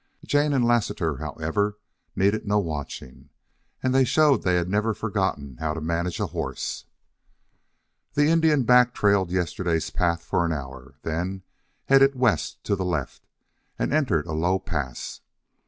Jane and Lassiter, however, needed no watching, and showed they had never forgotten how to manage a horse. The Indian back trailed yesterday's path for an hour, then headed west to the left, and entered a low pass.